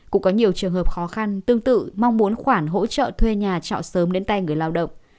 cũng có nhiều trường hợp khó khăn tương tự mong muốn khoản hỗ trợ thuê nhà trọ sớm đến tay người lao động